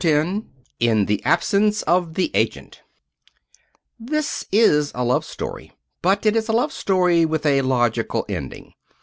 X IN THE ABSENCE OF THE AGENT This is a love story. But it is a love story with a logical ending.